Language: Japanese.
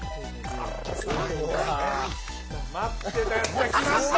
待ってたやつがきました。